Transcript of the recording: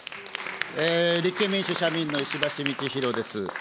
立憲民主・社民の石橋通宏です。